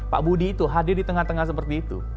pak budi itu hadir di tengah tengah seperti itu